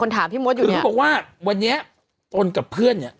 คนถามพี่มดอยู่เนี่ยคือเขาบอกว่าวันนี้ตนกับเพื่อนเนี่ย